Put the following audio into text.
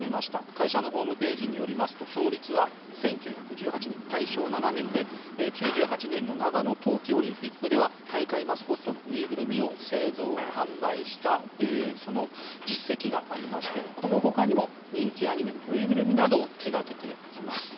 会社のホームページによりますと創立は１９１８年大正７年で９８年の長野冬季オリンピックでは大会マスコットの縫いぐるみを製造・販売したその実績がありましてこのほかにも人気アニメの縫いぐるみなどを手掛けています。